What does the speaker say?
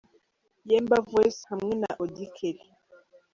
Yemba Voice hamwe na Auddy Kelly .